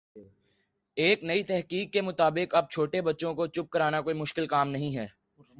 ایک نئی تحقیق کے مطابق اب چھوٹے بچوں کو چپ کر آنا کوئی مشکل کام نہیں ہے